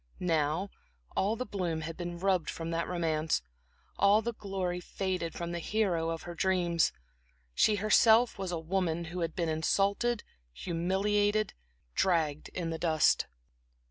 Now all the bloom had been rubbed from that romance, all the glory faded from the hero of her dreams; she herself was a woman who had been insulted, humiliated, dragged in the dust.